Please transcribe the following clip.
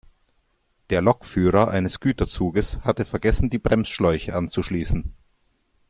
Der Lokführer eines Güterzuges hatte vergessen, die Bremsschläuche anzuschließen.